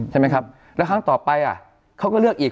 ใช่ไหมครับแล้วครั้งต่อไปเขาก็เลือกอีก